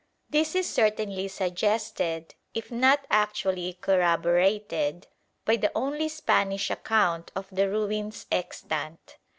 This is certainly suggested, if not actually corroborated, by the only Spanish account of the ruins extant.